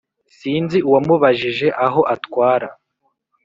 Sinzi uwamubajije aho atwara,